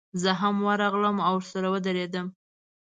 زه هم ورغلم او ورسره ودرېدم.